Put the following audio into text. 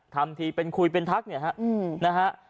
ทำทีเป็นคุยเป็นทักเนี่ยฮะนะฮะ